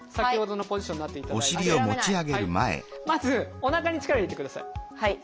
まずおなかに力入れてください。